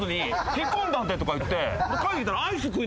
引っ込んだんでとか言って。